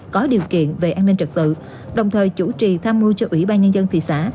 có điều kiện về an ninh trật tự đồng thời chủ trì tham mưu cho ủy ban nhân dân thị xã